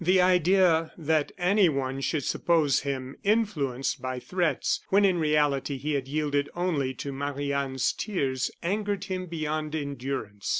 The idea that anyone should suppose him influenced by threats, when in reality, he had yielded only to Marie Anne's tears, angered him beyond endurance.